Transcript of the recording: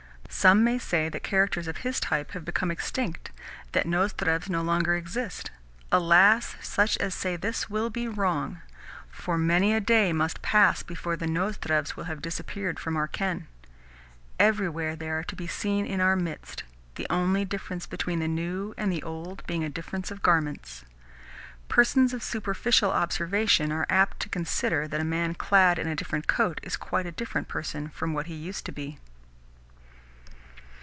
Some may say that characters of his type have become extinct, that Nozdrevs no longer exist. Alas! such as say this will be wrong; for many a day must pass before the Nozdrevs will have disappeared from our ken. Everywhere they are to be seen in our midst the only difference between the new and the old being a difference of garments. Persons of superficial observation are apt to consider that a man clad in a different coat is quite a different person from what he used to be.